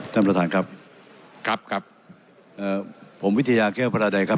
ท่านประธานครับครับครับเอ่อผมวิทยาเกียรติภัณฑ์ใดครับ